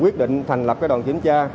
quyết định thành lập cái đoàn kiểm tra